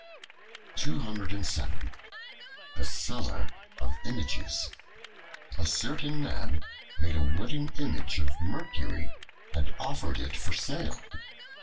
The Seller of Images A CERTAIN MAN made a wooden image of Mercury and offered it for sale.